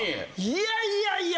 いやいやいや。